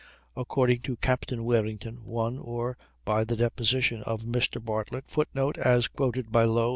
According to Captain Warrington, one, or, by the deposition of Mr. Bartlett, [Footnote: As quoted by Low.